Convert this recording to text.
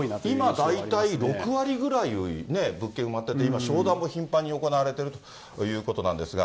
今、大体６割ぐらい物件埋まってて、今、商談も頻繁に行われているということなんですが。